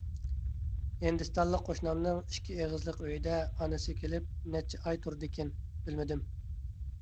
ھىندىستانلىق قوشنامنىڭ ئىككى ئېغىزلىق ئۆيىدە ئانىسى كېلىپ نەچچە ئاي تۇردىكىن، بىلمىدىم.